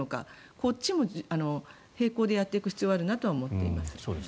こっちも並行でやっていく必要はあるなと思っています。